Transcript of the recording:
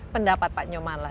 pendapat pak nyoman lah